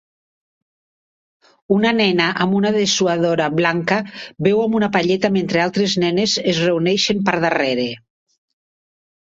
Una nena amb una dessuadora blanca beu amb una palleta mentre altres nenes es reuneixen per darrere.